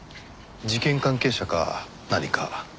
事件関係者か何か？